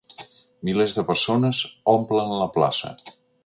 Milers de persones omplen la plaça.